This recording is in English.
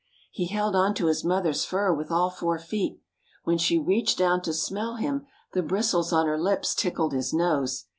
He held on to his mother's fur with all four feet. When she reached down to smell him the bristles on her lips tickled his nose.